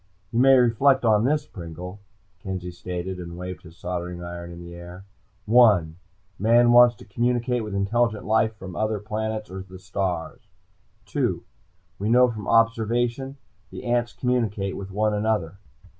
"You may reflect on this, Pringle," Kenzie stated and waved his soldering iron in the air. "One: Man wants to communicate with intelligent life from other planets or the stars. "Two: We know from observation the ants communicate with one another.